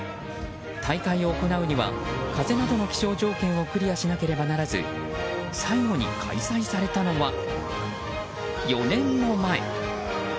大会を行うには風などの気象条件をクリアしなければならず最後に開催されたのは４年も前。